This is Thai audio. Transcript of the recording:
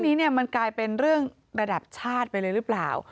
นี้เนี่ยมันกลายเป็นเรื่องระดับชาติไปเลยหรือเปล่า